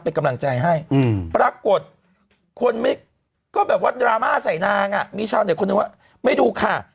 เป็นกำลังใจให้ปรากฏคนไม่ก็แบบว่าดราม่าใส่นางอ่ะมีชาวเน็ตคนหนึ่งว่าไม่ดูค่ะ